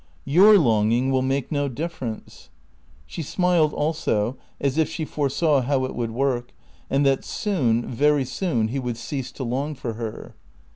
"Your longing will make no difference." She smiled also, as if she foresaw how it would work, and that soon, very soon, he would cease to long for her.